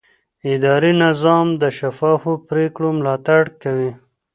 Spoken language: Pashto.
اداري نظام د شفافو پریکړو ملاتړ کوي.